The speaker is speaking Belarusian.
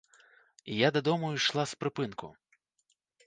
Я дадому ішла з прыпынку.